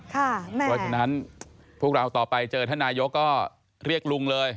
เพราะฉะนั้นพวกเราต่อไปเจอท่านนายกก็เรียกลุงเลย